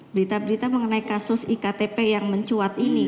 berita berita mengenai kasus iktp yang mencuat ini